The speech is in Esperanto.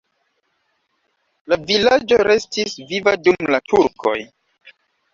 La vilaĝo restis viva dum la turkoj.